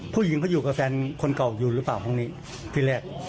ผู้หญิงเขาอยู่กับแฟนคนเก่าอยู่หรือเปล่าพรุ่งนี้ที่แรก